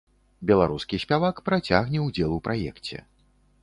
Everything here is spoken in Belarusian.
Беларускі спявак працягне ўдзел у праекце.